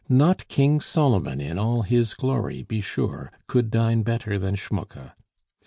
Not King Solomon in all his glory, be sure, could dine better than Schmucke.